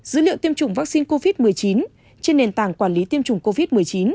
dữ liệu tiêm chủng vaccine covid một mươi chín trên nền tảng quản lý tiêm chủng covid một mươi chín